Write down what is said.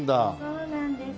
そうなんです。